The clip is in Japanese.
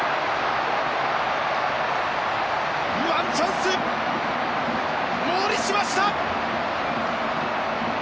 ワンチャンスをものにしました！